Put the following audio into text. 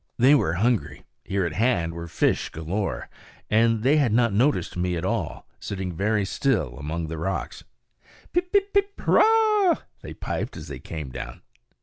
They were hungry; here at hand were fish galore; and they had not noticed me at all, sitting very still among the rocks. Pip, pip, pip, hurrah! they piped as they came down.